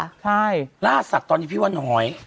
ใช่ล่าสัตว์ตอนนี้พี่ว่าน้อย